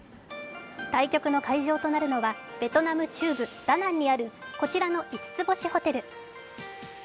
対局の会場となるのは、ベトナム中部・ダナンにあるこちらの五つ星ホテル。